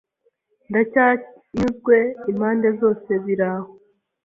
Ndacyanyuzwe impande zose biraho